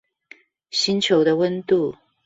星球的溫度